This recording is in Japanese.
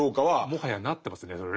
もはやなってますねそれ。